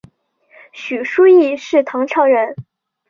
许叔冀是唐朝人。